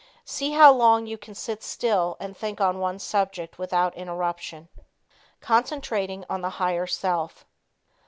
See how long you can sit still and think on one subject without interruption. Concentrating on the Higher Self.